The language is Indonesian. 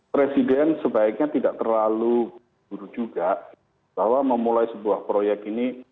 presiden sebaiknya tidak terlalu buruk juga bahwa memulai sebuah proyek ini